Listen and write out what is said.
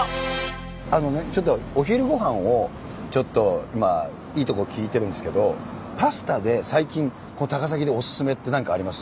あのねちょっとお昼ごはんを今いいとこを聞いてるんですけどパスタで最近この高崎でおすすめって何かあります？